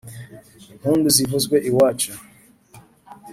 impundu zivuzwe iwacu